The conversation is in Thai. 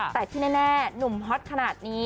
แต่ที่แน่หนุ่มฮอตขนาดนี้